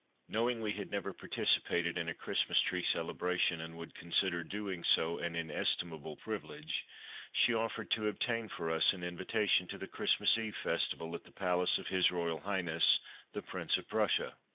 Knowing we had never participated in a Christmas Tree Celebration and would consider doing so an inestimable privilege, she offered to obtain for us an invitation to the Christmas Eve festival at the palace of H. R. H. the Prince of Prussia.